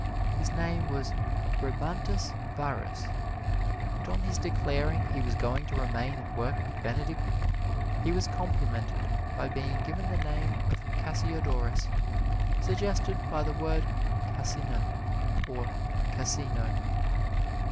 His name was Brebantus Varus, but on his declaring he was going to remain and work with Benedict, he was complimented by being given the name of Cassiodorus, suggested by the word Cassinum or Cassino.